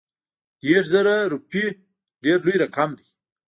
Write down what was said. دېرش زره روپي ډېر لوی رقم دی.